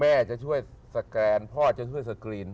แม่จะช่วยสแกนพ่อจะช่วยสกรีน